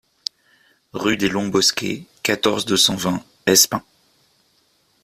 Rue des Longs Bosquets, quatorze, deux cent vingt Espins